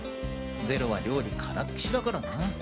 ゼロは料理からっきしだからな。